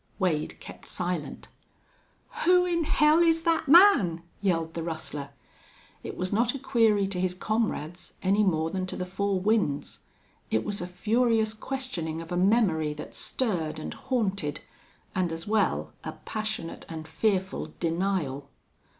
Wade kept silent. "Who'n hell is thet man?" yelled the rustler It was not a query to his comrades any more than to the four winds. It was a furious questioning of a memory that stirred and haunted, and as well a passionate and fearful denial.